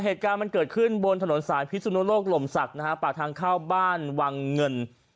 เหตุการณ์มันเกิดขึ้นบนถนนสายพิสุนุโลกลมศักดิ์นะฮะปากทางเข้าบ้านวังเงิน